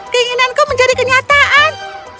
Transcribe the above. keinginanku menjadi kenyataan